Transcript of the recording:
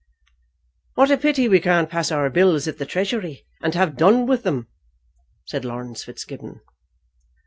"What a pity we can't pass our bills at the Treasury, and have done with them!" said Laurence Fitzgibbon.